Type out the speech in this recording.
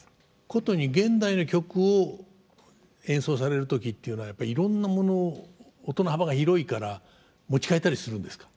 殊に現代の曲を演奏される時っていうのはやっぱりいろんなものを音の幅が広いから持ち替えたりするんですか？